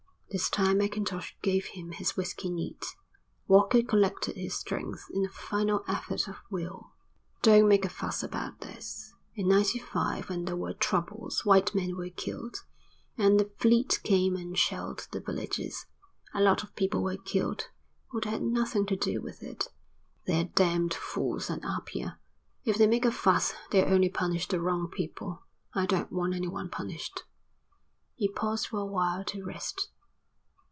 This time Mackintosh gave him his whisky neat. Walker collected his strength in a final effort of will. "Don't make a fuss about this. In 'ninety five when there were troubles white men were killed, and the fleet came and shelled the villages. A lot of people were killed who'd had nothing to do with it. They're damned fools at Apia. If they make a fuss they'll only punish the wrong people. I don't want anyone punished." He paused for a while to rest.